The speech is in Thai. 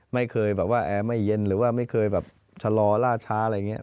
ไม่เคยแอ๊ดไม่เย็นไม่เคยชะลอระช้อะไรแบบนี้